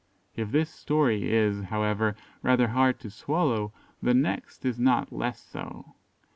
If this story is, however, rather hard to swallow, the next is not less so.